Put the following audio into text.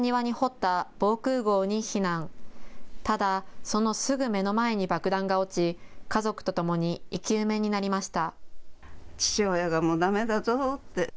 ただそのすぐ目の前に爆弾が落ち家族とともに生き埋めになりました。